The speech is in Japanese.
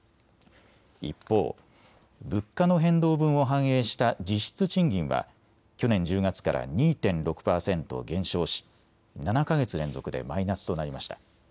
一方、物価の変動分を反映した実質賃金は去年１０月から２．６％減少し、７か月連続でマイナスとなりました。